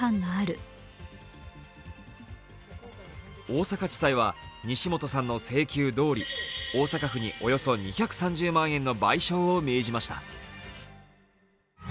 大阪地裁は西本さんの請求どおり大阪府におよそ２３０万円の賠償を命じました。